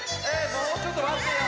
もうちょっとまってよ！